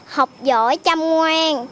học giỏi chăm ngoan